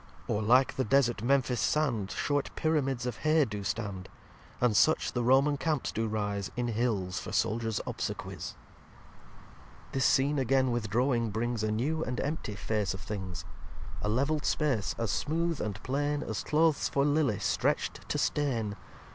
Or, like the Desert Memphis Sand, Short Pyramids of Hay do stand. And such the Roman Camps do rise In Hills for Soldiers Obsequies. lvi This Scene again withdrawing brings A new and empty Face of things; A levell'd space, as smooth and plain, As Clothes for Lilly strecht to stain.